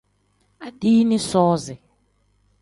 Adiini soozi.